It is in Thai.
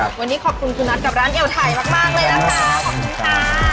วันนี้ขอบคุณคุณนัทกับร้านเอวไทยมากเลยนะคะขอบคุณค่ะ